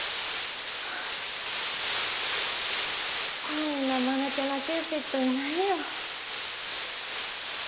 こんなマヌケなキューピッドいないよ。